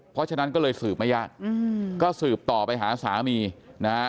เพราะฉะนั้นก็เลยสืบไม่ยากก็สืบต่อไปหาสามีนะฮะ